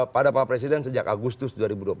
pada pak presiden sejak agustus dua ribu dua puluh satu